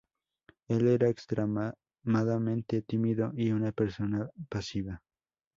Él era extremadamente tímido y una persona pasiva.